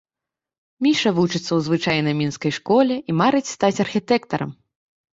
Міша вучыцца ў звычайнай мінскай школе і марыць стаць архітэктарам.